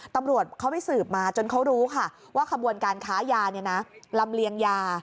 ตำรวจเขาไปสืบมาจนเขารู้ค่ะว่าขบวนการค้ายาลำเลียงยา